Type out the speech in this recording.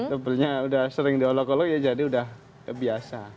sebetulnya udah sering diolok olok ya jadi udah biasa